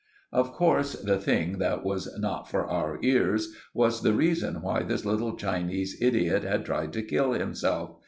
Of course the thing that was not for our ears was the reason why this little Chinese idiot had tried to kill himself.